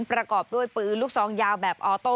ประกอบด้วยปืนลูกซองยาวแบบออโต้